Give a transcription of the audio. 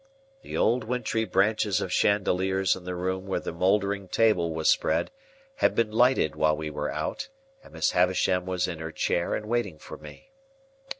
The old wintry branches of chandeliers in the room where the mouldering table was spread had been lighted while we were out, and Miss Havisham was in her chair and waiting for me.